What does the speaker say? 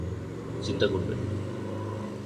চিন্তা করবেন না।